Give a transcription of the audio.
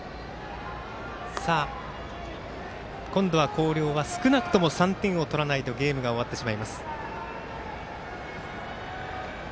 今度は広陵は少なくとも３点を取らないとゲームが終わってしまいます。